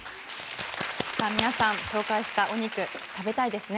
さあ皆さん紹介したお肉食べたいですね？